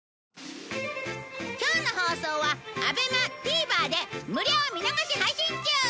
今日の放送はＡＢＥＭＡＴＶｅｒで無料見逃し配信中！